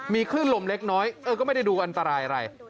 มีคลื่นลมเล็กน้อยก็ไม่ได้ดูอันตรายอะไร